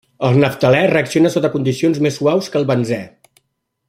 El naftalè reacciona sota condicions més suaus que el benzè.